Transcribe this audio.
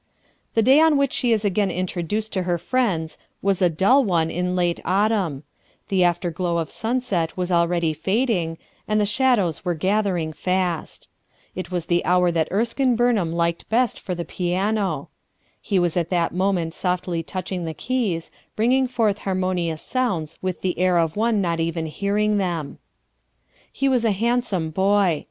The day on which she is again introduced to her friends was a dull one in late autumn; the afterglow of sunset was already fading, and the .shadows were gathering fast* It whs the hour that Erskine Burnbarn liked best for the l 2 RUTH EttSKINE'S SON piano. He was at that moment softly touching the keys, bringing forth harmonious sounds with the air of one not even hearing them. He was a handsome boy.